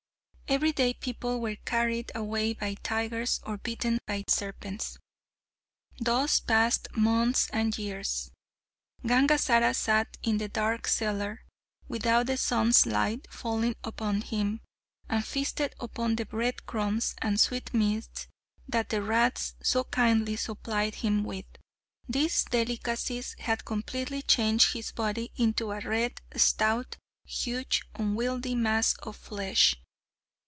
Every day people were carried away by tigers or bitten by serpents. Thus passed months and years. Gangazara sat in the dark cellar, without the sun's light falling upon him, and feasted upon the breadcrumbs and sweetmeats that the rats so kindly supplied him with. These delicacies had completely changed his body into a red, stout, huge, unwieldy mass of flesh.